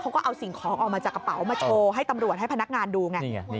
เขาก็เอาสิ่งของออกมาจากกระเป๋ามาโชว์ให้ตำรวจให้พนักงานดูไง